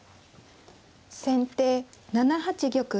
先手７八玉。